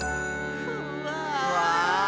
うわ！